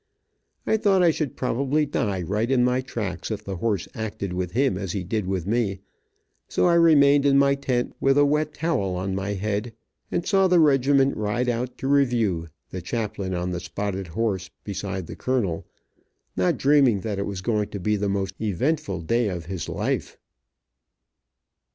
I thought I should probably die right in my tracks if the horse acted with him as he did with me, so I remained in my tent with a wet towel on my head, and saw the regiment ride out to review, the chaplain on the spotted horse beside the colonel, not dreaming that it was going to be the most eventful day of his life.